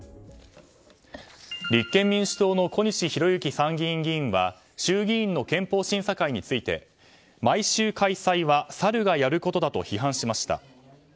立憲民主党の小西博之参議院議員は衆議院の憲法審査会について毎週開催はサルがやることだと批判しました。